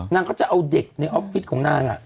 นางเขาจะเอาเด็กในออฟฟิศของนาง